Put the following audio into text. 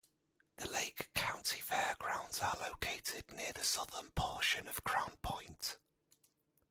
The Lake County Fairgrounds are located near the southern portion of Crown Point.